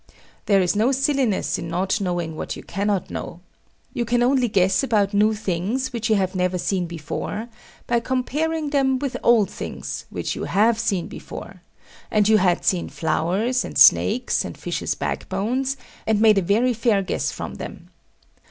There is no silliness in not knowing what you cannot know. You can only guess about new things, which you have never seen before, by comparing them with old things, which you have seen before; and you had seen flowers, and snakes, and fishes' backbones, and made a very fair guess from them.